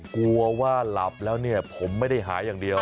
กลัวว่าหลับแล้วเนี่ยผมไม่ได้หาอย่างเดียว